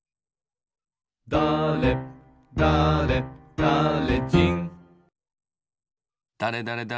だれだれだれだれ